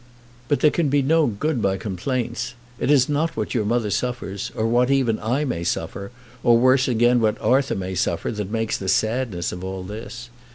But there can be no good got by complaints. It is not what your mother suffers, or what even I may suffer, or worse again, what Arthur may suffer, that makes the sadness of all this.